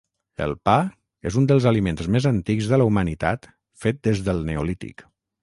El pa és un dels aliments més antics de la humanitat fet des del neolític.